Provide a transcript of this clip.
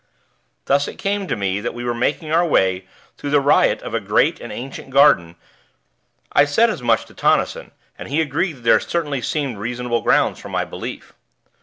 Thus it came to me that we were making our way through the riot of a great and ancient garden. I said as much to Tonnison, and he agreed that there certainly seemed reasonable grounds for my belief.